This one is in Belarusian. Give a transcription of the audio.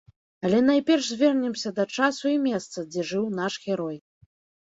Але найперш звернемся да часу і месца, дзе жыў наш герой.